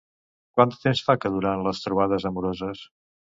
Quant de temps fa que duren les trobades amoroses?